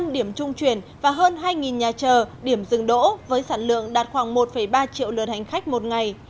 năm điểm trung chuyển và hơn hai nhà chờ điểm dừng đỗ với sản lượng đạt khoảng một ba triệu lượt hành khách một ngày